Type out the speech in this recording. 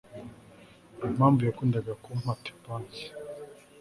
impamvu yakundaga kumpa tuppence